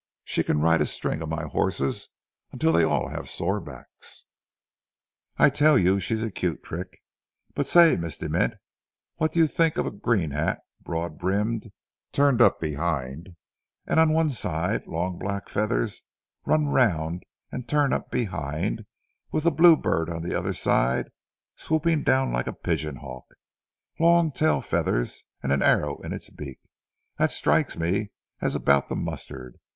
She can ride a string of my horses until they all have sore backs. I tell you she is a cute trick. But, say, Miss De Ment, what do you think of a green hat, broad brimmed, turned up behind and on one side, long black feathers run round and turned up behind, with a blue bird on the other side swooping down like a pigeon hawk, long tail feathers and an arrow in its beak? That strikes me as about the mustard.